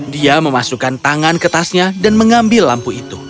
dia memasukkan tangan ke tasnya dan mengambil lampu itu